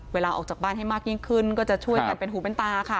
เวลาออกจากบ้านให้มากยิ่งขึ้นก็จะช่วยกันเป็นหูเป็นตาค่ะ